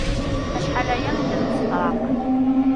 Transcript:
Acḥal aya i d-nemsefraq.